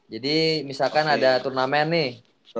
jadi misalkan ada turnamen nih